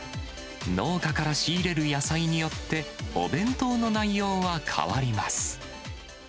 農家から仕入れる野菜によって、お弁当の内容は変わります。